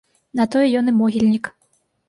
На тое ён і могільнік.